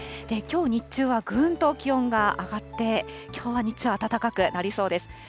きょう日中はぐんと気温が上がって、きょうは日中、暖かくなりそうです。